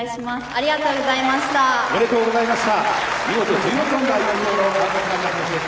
ありがとうございます。